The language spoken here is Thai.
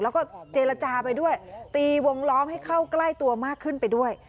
แล้วก็เจรจาไปด้วยตีวงล้อมให้เข้าใกล้ตัวมากขึ้นไปด้วย